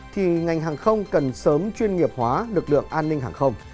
thì ngành hàng không cần sớm chuyên nghiệp hóa lực lượng an ninh hàng không